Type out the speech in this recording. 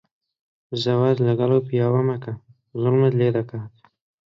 زەواج لەگەڵ ئەو پیاوە مەکە. زوڵمت لێ دەکات.